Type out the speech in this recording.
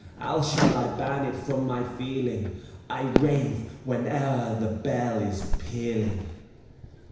How shall I ban it from my feeling! I rave whene'er the bell is pealing.